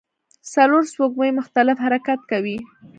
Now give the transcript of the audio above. څلور سپوږمۍ مختلف حرکت کوي.